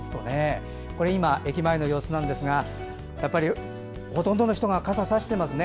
今、駅前の様子なんですがほとんどの人が傘をさしていますね。